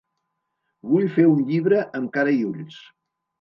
Vull fer un llibre amb cara i ulls.